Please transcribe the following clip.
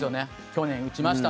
去年打ちました。